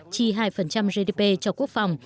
chi hai gdp cho quốc phòng